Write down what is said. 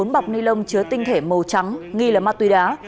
bốn bọc ni lông chứa tinh thể màu trắng nghi là ma túy đá